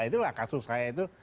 itulah kasus saya itu